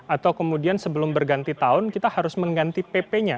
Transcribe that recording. atau kemudian sebelum berganti tahun kita harus mengganti pp nya